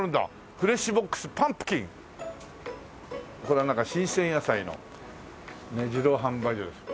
「フレッシュボックスぱんぷきん」これはなんか新鮮野菜の自動販売所です。